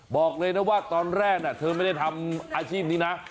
บอกเลยนะว่าตอนแรกเธอไม่ได้ทำอาชีพนี้นะ